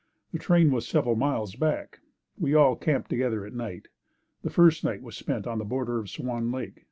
The train was several miles back. We all camped together at night. The first night was spent on the border of Swan Lake.